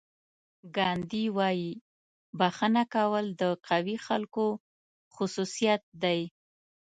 ګاندي وایي بښنه کول د قوي خلکو خصوصیت دی.